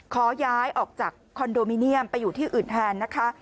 ขอย้ายออกจากคอนโดมิเนียมไปอยู่ที่อื่นแทนนะคะ